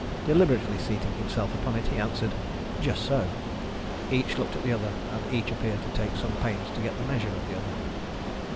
Deliberately seating himself upon it, he answered, "Just so." Each looked at the other, and each appeared to take some pains to get the measure of the other.